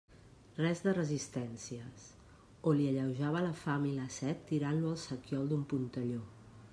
Res de resistències, o li alleujava la fam i la set tirant-lo al sequiol d'un puntelló.